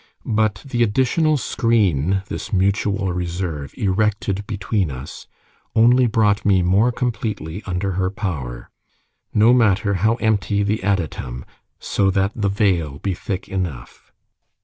But the additional screen this mutual reserve erected between us only brought me more completely under her power: no matter how empty the adytum, so that the veil be thick enough.